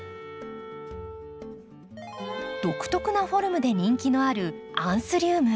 独特なフォルムで人気のあるアンスリウム。